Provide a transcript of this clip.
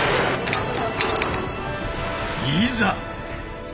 いざ！